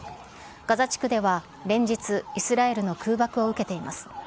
ガザ地区では、連日イスラエルの空爆を受けています。